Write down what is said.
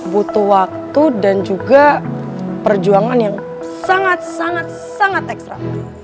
butuh waktu dan juga perjuangan yang sangat sangat ekstra